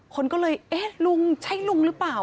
คนก็เลยเอ๊ะลุงใช่ลุงหรือเปล่า